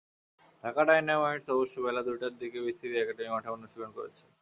Dhaka Dynamites অবশ্য বেলা দুইটার দিকে বিসিবি একাডেমি মাঠে অনুশীলন করেছে।